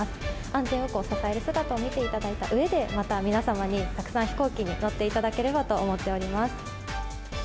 安全運航を支える姿を見ていただいたうえで、また皆様に、たくさん飛行機に乗っていただければと思っております。